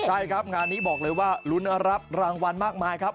ใช่ครับงานนี้บอกเลยว่าลุ้นรับรางวัลมากมายครับ